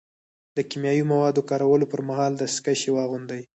د کیمیاوي موادو کارولو پر مهال دستکشې واغوندئ.